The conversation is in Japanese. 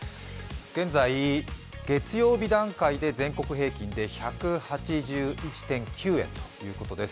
現在、月曜日段階で全国平均１８１．９円ということです。